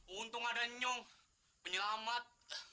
untung ada nyong penyelamat